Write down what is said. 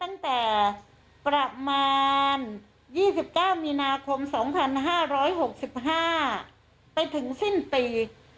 ตั้งแต่ประมาณ๒๙มีนาคม๒๕๖๕ไปถึงสิ้นปี